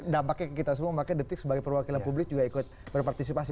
dampaknya kita semua makanya detik sebagai perwakilan publik juga ikut berpartisipasi